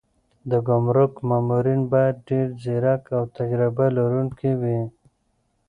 د ګمرک مامورین باید ډېر ځیرک او تجربه لرونکي وي.